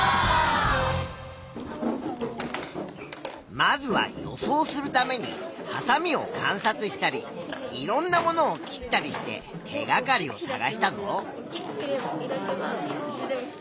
まずは予想するためにはさみを観察したりいろんなものを切ったりして手がかりを探したぞ。